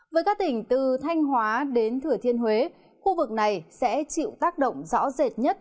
với các tỉnh từ thanh hóa đến thừa thiên huế khu vực này sẽ chịu tác động rõ rệt nhất